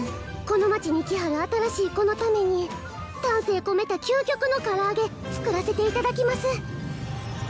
この町に来はる新しい子のために丹精込めた究極の唐揚げ作らせていただきます